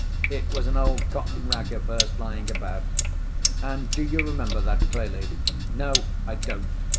'It was an old cotton rag of hers lying about.' 'And do you remember that clearly?' 'No, I don't.